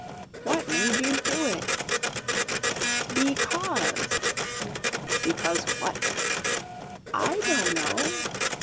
"What made you do it?" "BE cause." "Because what?" "I doe know."